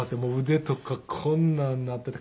腕とかこんなんになってて。